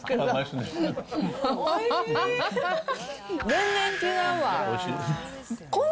全然違うわ。